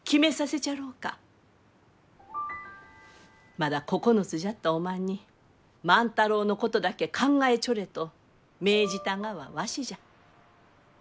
まだ９つじゃったおまんに万太郎のことだけ考えちょれと命じたがはわしじゃ。